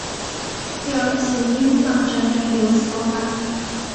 第二次英藏战争由此爆发。